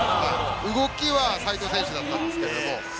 動きは斎藤選手だったんですけど。